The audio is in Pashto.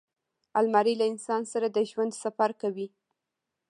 الماري له انسان سره د ژوند سفر کوي